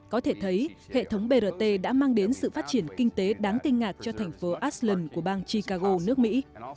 có thể thấy hệ thống brt đã mang đến sự phát triển kinh tế đáng kinh ngạc cho thành phố asland của bang chicago nước mỹ